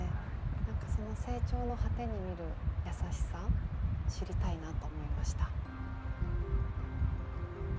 何かその成長の果てに見るやさしさ知りたいなと思いました。